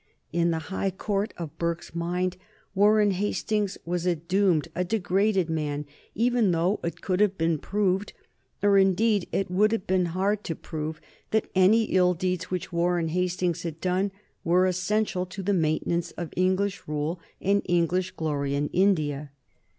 In the high court of Burke's mind Warren Hastings was a doomed, a degraded man, even though it could have been proved, as indeed it would have been hard to prove, that any ill deeds which Warren Hastings had done were essential to the maintenance of English rule and English glory in India.